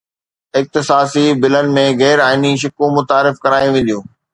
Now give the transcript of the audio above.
اختصاصي بلن ۾ غير آئيني شقون متعارف ڪرايون وينديون